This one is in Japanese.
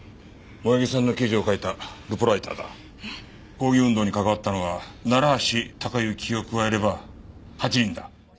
抗議運動に関わったのは楢橋高行を加えれば８人だ。